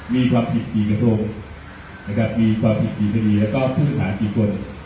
มีความผิดดีกระทบมีความผิดดีชนิดก็คือหาพี่พล